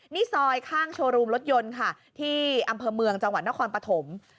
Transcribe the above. นี่ซอยข้างโชว์รูมรถยนต์ค่ะที่อำเภอเมืองจังหวัดนครปฐม